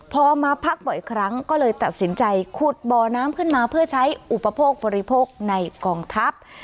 พอมาพักบ่อยครั้งก็เลยตัดสินใจขุดบ่อน้ำขึ้นมาเพื่อใช้อุปโภคบริโภคในกองทัพ